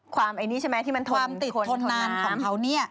ไอ้นี่ใช่ไหมที่มันความติดทนนานของเขาเนี่ย